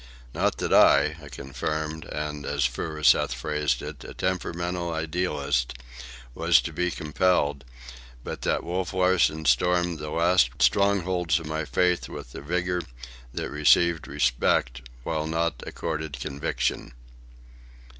Not that I—a confirmed and, as Furuseth phrased it, a temperamental idealist—was to be compelled; but that Wolf Larsen stormed the last strongholds of my faith with a vigour that received respect, while not accorded conviction.